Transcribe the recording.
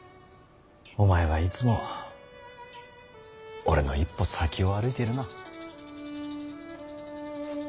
お前はいつも俺の一歩先を歩いてるな。